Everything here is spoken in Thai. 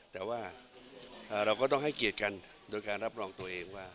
แต่ว่าเราก็ต้องให้เกียรติกันโดยการรับรองตัวเองว่า